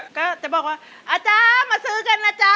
ก็จะบอกว่าอ่าจ๊ะมาซื้อกันล่ะจ๊ะ